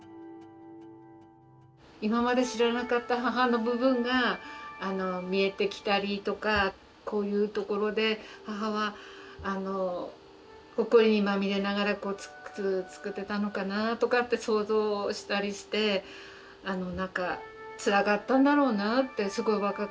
今まで知らなかった母の部分が見えてきたりとかこういうところで母はほこりにまみれながら靴を作ってたのかなとかって想像したりしてつらかったんだろうなってすごい若かったしね。